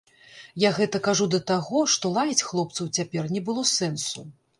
Я гэта кажу да таго, што лаяць хлопцаў цяпер не было сэнсу.